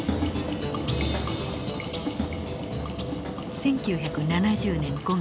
１９７０年５月。